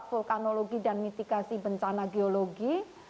vulkanologi dan mitigasi bencana geologi